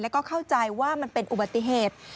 แล้วก็เข้าใจว่ามันเป็นอุบัติเหตุ